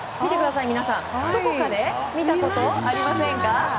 皆さんどこかで見たことありませんか？